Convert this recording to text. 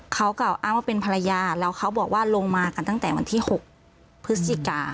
เขากล่าวอ้างว่าเป็นภรรยาแล้วเขาบอกว่าลงมากันตั้งแต่วันที่๖พฤศจิกา